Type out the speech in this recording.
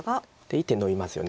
１手ノビますよね。